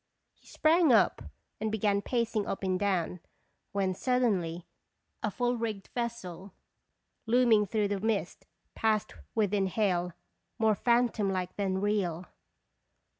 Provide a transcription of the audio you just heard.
1 He sprang up and began pacing up and down, when suddenly a full rigged vessel, looming through the mist, passed within hail, more phantom like than real.